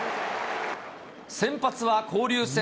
先発は交流戦